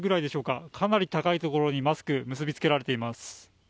かなり高いところにマスクが結び付けられています。